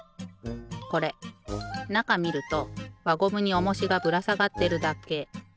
これなかみるとわゴムにおもしがぶらさがってるだけ。